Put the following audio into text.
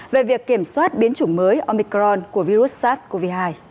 về việc kiểm soát biến chủng mới omicron của virus sars cov hai